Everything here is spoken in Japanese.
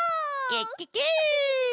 ケッケケ！